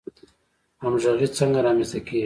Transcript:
همغږي څنګه رامنځته کیږي؟